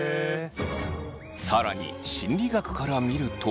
更に心理学から見ると。